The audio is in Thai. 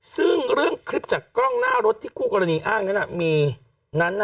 ซึ่งเรื่องคลิปกล้องหน้ารถที่คู่กรณีอ้าน